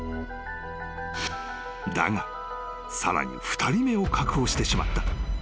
［だがさらに２人目を確保してしまった］